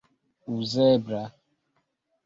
uzebla